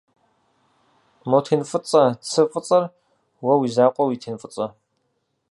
Мо тен фӏыцӏэ цы фӏыцӏэр уэ уи закъуэ уи тен фӏыцӏэ?